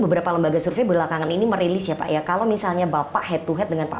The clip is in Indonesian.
beberapa lembaga survei belakangan ini merilis ya pak ya kalau misalnya bapak head to head dengan pak